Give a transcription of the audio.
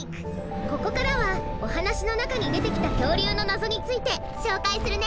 ここからはおはなしのなかにでてきたきょうりゅうのなぞについてしょうかいするね。